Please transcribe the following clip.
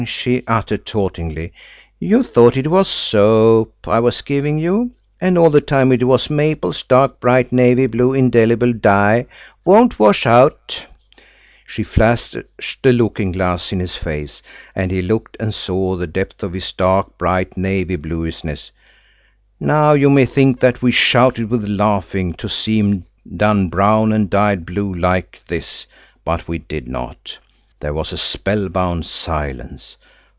she uttered tauntingly. "You thought it was soap I was giving you, and all the time it was Maple's dark bright navy blue indelible dye–won't wash out." She flashed a looking glass in his face, and he looked and saw the depth of his dark bright navy blueness. Now, you may think that we shouted with laughing to see him done brown and dyed blue like this, but we did not. There was a spellbound silence.